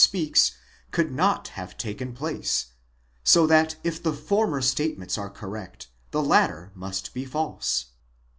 speaks could not have taken place ; so that if the former statements are correct, the latter must be false.